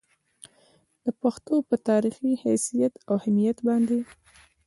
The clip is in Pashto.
د پښتو پۀ تاريخي حېثيت او اهميت باندې